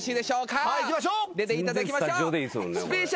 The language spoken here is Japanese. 出ていただきましょう。